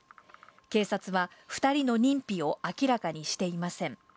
警察は、２人の認否を明らかにしていません。